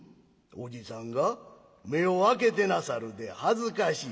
おじさんが目を開けてなさるで恥ずかしい？